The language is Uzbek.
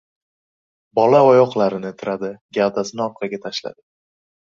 Bola oyoqlarini tiradi, gavdasini orqasiga tashladi.